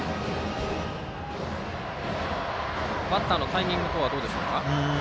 バッターのタイミング等はどうでしょうか。